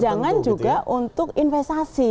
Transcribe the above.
dan jangan juga untuk investasi